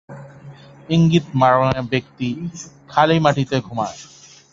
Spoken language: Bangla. ইঙ্গিত-মারণে ব্যক্তি খালি মাটিতে ঘুমায়।